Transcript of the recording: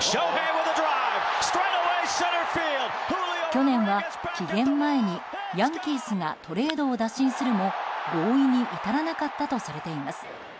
去年は期限前に、ヤンキースがトレードを打診するも合意に至らなかったとされています。